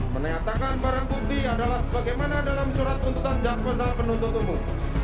menetapkan barang bukti adalah sebagaimana dalam curat penuntutan jas masalah penuntut umum